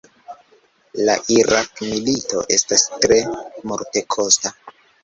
La Irak-milito estas tre multekosta.